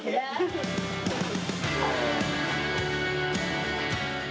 oh yang lebih besar rata lagi